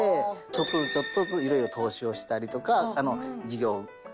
ちょっとずつちょっとずついろいろ投資をしたりとか事業を５つぐらいして。